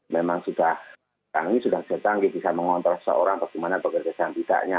memang sudah tanggi sudah sedanggi bisa mengontrol seseorang bagaimana bekerja yang tidaknya